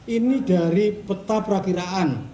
ini dari peta perakiraan